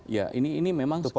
ya ini memang sekarang